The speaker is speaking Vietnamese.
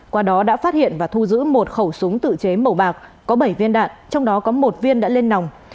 qua đó đã phát hiện và thu giữ một khẩu súng tự chế màu bạc có bảy viên đạn trong đó có một viên đã lên nòng